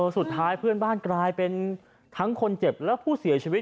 สุดท้ายเพื่อนบ้านกลายเป็นทั้งคนเจ็บและผู้เสียชีวิต